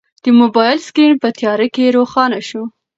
د موبایل سکرین په تیاره کې روښانه شو.